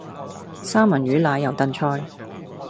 三文魚奶油燉菜